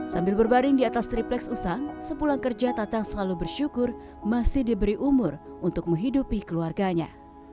sambil berbaring di atas tripleks usang sepulang kerja tatang selalu bersyukur masih diberi umur untuk menghidupi keluarganya